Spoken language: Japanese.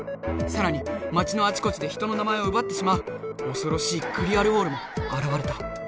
さらにまちのあちこちで人の名前をうばってしまうおそろしいクリアルウォールもあらわれた。